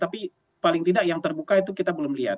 tapi paling tidak yang terbuka itu kita belum lihat